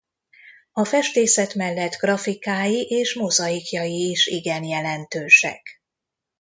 A festészet mellett grafikái és mozaikjai is igen jelentősek.